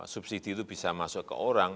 subsidi itu bisa masuk ke orang